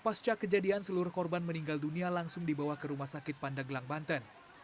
pasca kejadian seluruh korban meninggal dunia langsung dibawa ke rumah sakit pandeglang banten